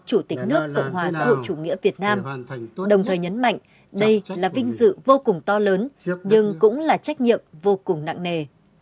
chủ tịch nước cộng hòa xã hội chủ nghĩa việt nam đồng thời nhấn mạnh đây là vinh dự vô cùng to lớn nhưng cũng là trách nhiệm vô cùng nặng nề